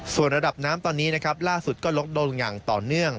ส่วนระดับน้ำตอนนี้นะครับล่าสุดก็ลดลงอย่างต่อเนื่อง